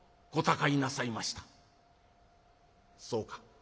「そうか。